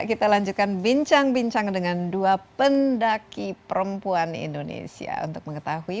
kita lanjutkan bincang bincang dengan dua pendaki perempuan indonesia untuk mengetahui